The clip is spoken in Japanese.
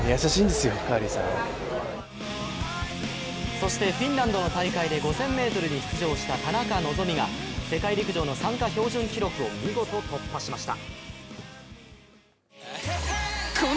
そしてフィンランドの大会で５０００ｍに出場した田中希実が世界陸上の参加標準記録を見事突破しました。